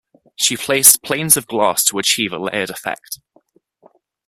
She placed planes of glass to achieve a layered effect.